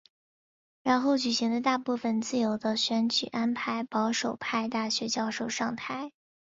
其后举行的大部分自由的选举安排保守派大学教授上台。